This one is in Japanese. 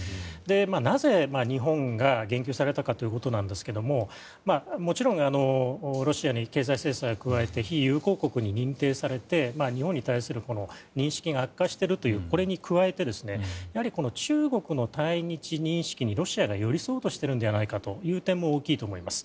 なぜ日本が言及されたかということですがもちろんロシアに経済制裁を加えて非友好国に認定されて日本に対する認識が悪化しているということに加えて中国の対日認識にロシアが寄り添おうとしているのではないかという点も大きいと思います。